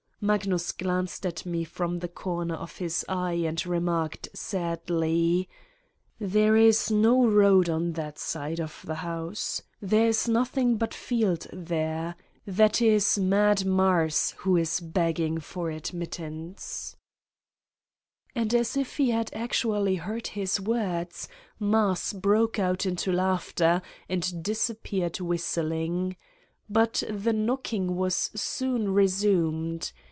Magnus glanced at me from the corner of his eye and remarked sadly: "There is no road on that side of the house. There is nothing but field there. That is mad Mars who is begging for admittance." 105 Satan's Diary And as if he had actually heard his words, Mars broke out into laughter and disappeared whistling. But the knocking was soon resumed.